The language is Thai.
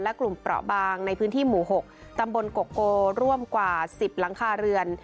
และกลุ่มเบาะบางในพิธีหมู่หกตำบลโกโกร่ว่างกว่าสิบหลังคาเรือน